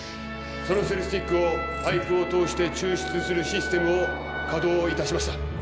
そのセルスティックをパイプを通して抽出するシステムを稼働いたしました